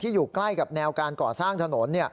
อยู่ใกล้กับแนวการก่อสร้างถนน